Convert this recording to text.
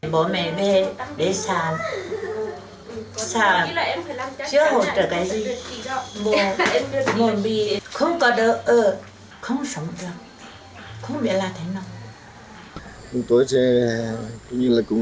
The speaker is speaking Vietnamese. bố mẹ về để xà xà chưa hỗ trợ cái gì mùa mì không có đỡ không sống được không biết là thế nào